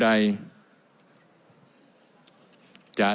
๔๔๓แสดงตนครับ